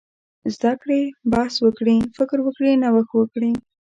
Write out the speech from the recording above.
زده کړي، بحث وکړي، فکر وکړي، نوښت وکړي.